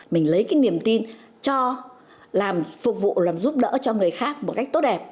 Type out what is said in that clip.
mình lấy cái niềm tin cho làm phục vụ làm giúp đỡ cho người khác một cách tốt đẹp